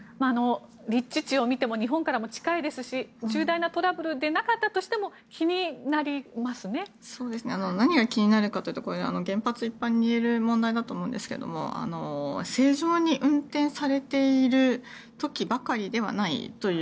立地地を見ても日本からも近いですし重大なトラブルではなかったとしても何が気になるかというと原発一般に言える問題だと思いますが正常に運転されている時ばかりではないという。